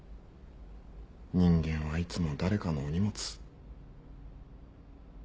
人間はいつも誰かのお荷物。